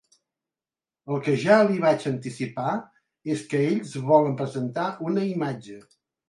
El que ja li vaig anticipar és que ells volen presentar una imatge.